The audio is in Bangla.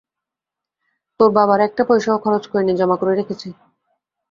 তোর বাবার একটা পয়সাও খরচ করিনি, জমা করে রেখেছি।